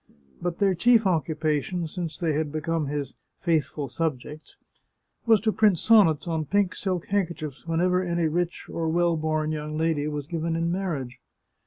But their chief occupation, since they had become his " faithful subjects" was to print sonnets on pink silk handkerchiefs whenever any rich or well born young lady was given in marriage.